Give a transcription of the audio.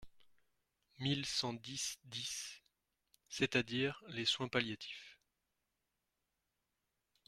mille cent dix-dix », c’est-à-dire les soins palliatifs.